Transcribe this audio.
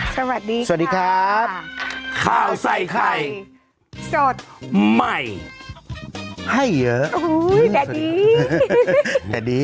สวัสดีค่ะสวัสดีครับข้าวใส่ไข่สดใหม่ให้เยอะโอ้โหแดดดีแต่ดี